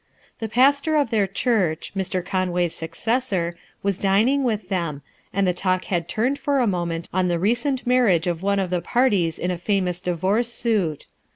The pastor of their church, Mr, Conway's successor, was dining with them, and the talk had turned for a moment on the recent mar riage of one of the parties in a famous divorce suit.